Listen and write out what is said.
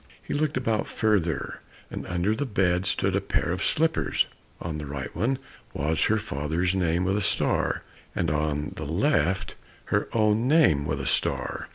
He looked about further, and under the bed stood a pair of slippers, on the right one was her father's name with a star, and on the left her own name with a star.